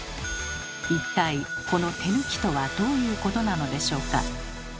一体この手抜きとはどういうことなのでしょうか。